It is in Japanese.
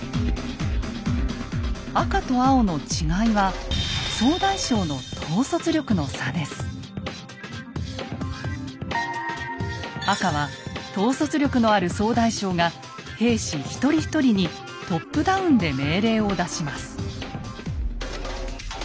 赤と青の違いは総大将の赤は統率力のある総大将が兵士一人一人にトップダウンで命令を出します。